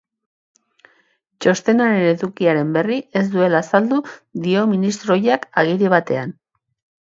Txostenaren edukiaren berri ez duela azaldu du ministro ohiak agiri batean.